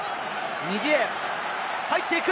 右へ入っていく！